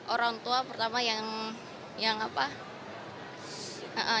orang tua pertama yang apa